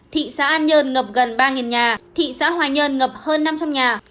thị xã an nhơn ngập gần ba nhà thị xã hoài nhơn ngập hơn năm trăm linh nhà